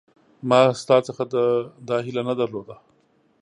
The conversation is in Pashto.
ما ستا څخه دا هیله نه درلوده